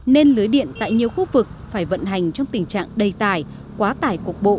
nên lưới điện tại nhiều khu vực phải vận hành trong tình trạng đầy tài quá tải cuộc bộ